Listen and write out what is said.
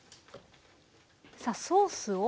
さあソースを。